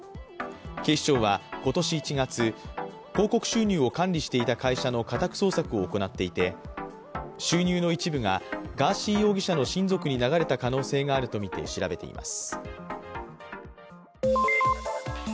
警視庁は今年１月、広告収入を管理していた会社の家宅捜索を行っていて収入の一部がガーシー容疑者の親族に流れた可能性があるとみて調べています。